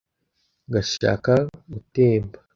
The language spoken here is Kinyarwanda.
ngashaka gutemba